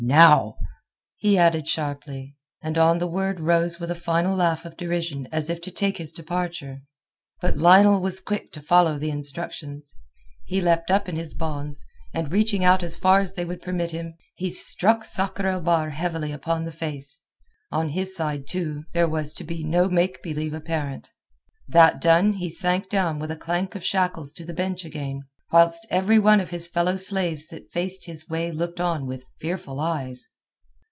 Now," he added sharply, and on the word rose with a final laugh of derision as if to take his departure. But Lionel was quick to follow the instructions. He leapt up in his bonds, and reaching out as far as they would permit him, he struck Sakr el Bahr heavily upon the face. On his side, too, there was to be no make believe apparent. That done he sank down with a clank of shackles to the bench again, whilst every one of his fellow slaves that faced his way looked on with fearful eyes.